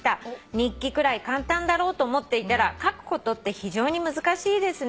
「日記くらい簡単だろうと思っていたら書くことって非常に難しいですね」